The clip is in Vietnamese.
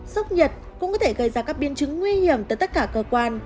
sốc nhiệt cũng có thể gây ra các biên chứng nguy hiểm tới tất cả cơ quan